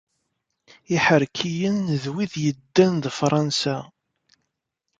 Iḥerkiyen d wid yeddan d Fṛansa.